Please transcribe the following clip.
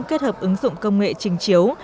kết hợp ứng dụng công nghệ trình chiếu